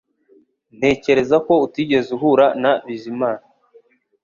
Ntekereza ko utigeze uhura na Bizimana